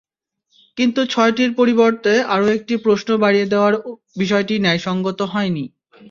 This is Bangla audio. কিন্তু ছয়টির পরিবর্তে আরও একটি প্রশ্ন বাড়িয়ে দেওয়ার বিষয়টি ন্যায়সংগত হয়নি।